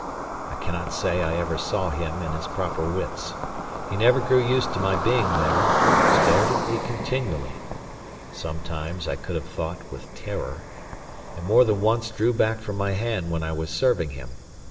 I cannot say I ever saw him in his proper wits. He never grew used to my being there, stared at me continually (sometimes, I could have thought, with terror), and more than once drew back from my hand when I was serving him.